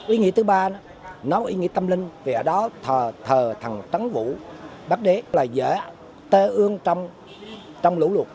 ý nghĩa thứ ba nó có ý nghĩa tâm linh vì ở đó thờ thần trắng vũ bắc đế là dễ tơ ương trong lũ lụt